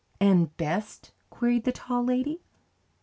"And best?" queried the Tall Lady.